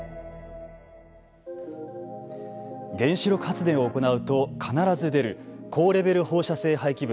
原子力発電を行うと必ず出る高レベル放射性廃棄物。